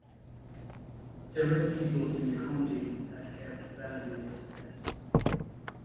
Several people in the county had kept wallabies as pets.